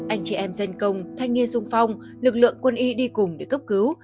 anh chị em dân công thanh nghiên dung phong lực lượng quân y đi cùng để cấp cứu